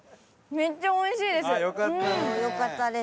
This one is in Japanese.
めっちゃ美味しいです！